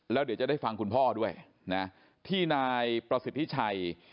แล้วเดี๋ยวจะได้ฟังคุณพ่อด้วยนะที่นายประสิทธิชัย